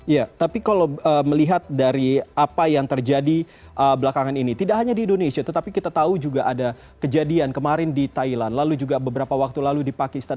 ya tapi kalau melihat dari apa yang terjadi belakangan ini tidak hanya di indonesia tetapi kita tahu juga ada kejadian kemarin di thailand lalu juga beberapa waktu lalu di pakistan